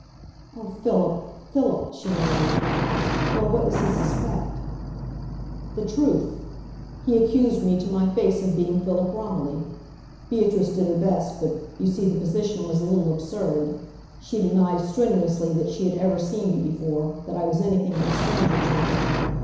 "Oh, Philip, Philip!" she murmured. "Well, what does he suspect?" "The truth! He accused me to my face of being Philip Romilly. Beatrice did her best but, you see, the position was a little absurd. She denied strenuously that she had ever seen me before, that I was anything but a stranger to her.